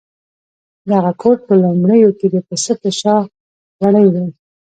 دغه کوټ په لومړیو کې د پسه په شا وړۍ وې.